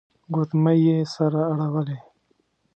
ګوتمۍ يې سره اړولې.